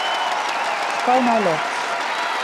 Sko nei lofts.